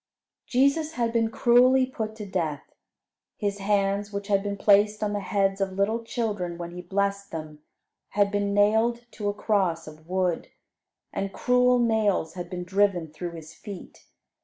Jesus had been cruelly put to death. His hands, which had been placed on the heads of little children when He blessed them, had been nailed to a cross of wood; and cruel nails had been driven through his feet.